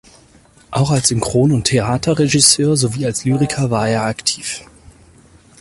Auch als Synchron- und Theaterregisseur sowie als Lyriker war er aktiv.